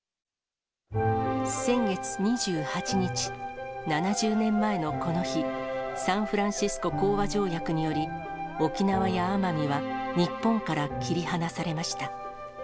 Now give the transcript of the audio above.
先月２８日、７０年前のこの日、サンフランシスコ講和条約により、沖縄や奄美は日本から切り離されました。